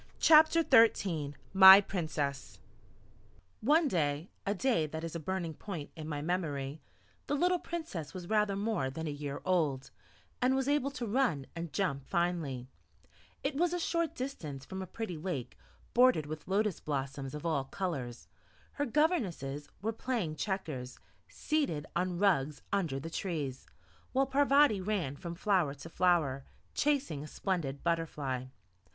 CHAPTER XIII MY PRINCESS One day a day that is a burning point in my memory the little Princess was rather more than a year old, and was able to run and jump finely; it was a short distance from a pretty lake bordered with lotus blossoms of all colours; her governesses were playing checkers, seated on rugs under the trees, while Parvati ran from flower to flower, chasing a splendid butterfly.